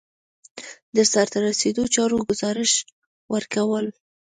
د سرته رسیدلو چارو ګزارش ورکول.